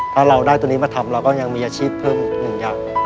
ถ้าเราได้ตัวนี้มาทำเราก็ยังมีอาชีพเพิ่มหนึ่งอย่าง